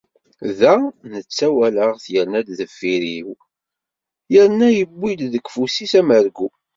Da netta walaɣ-t irna-d deffir-i yerna iwwi-d deg ufus-is amergu.